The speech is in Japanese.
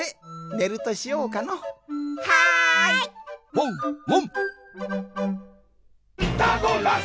ワンワン！